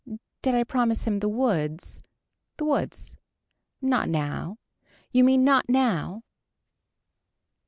Did I promise him the woods. The woods. Not now. You mean not now.